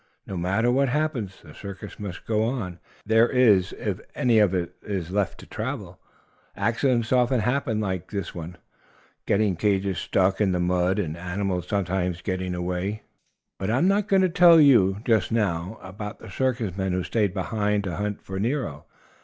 No matter what happens, the circus must go on, if there is any of it left to travel. Accidents often happened like this one cages getting stuck in the mud and animals sometimes getting away. But I'm not going to tell you, just now, about the circus men who stayed behind to hunt Nero.